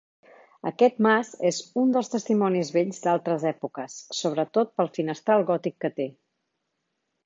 Aquest mas és un dels testimonis vells d'altres èpoques, sobretot pel finestral gòtic que té.